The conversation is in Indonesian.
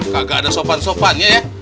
kagak ada sopan sopannya ya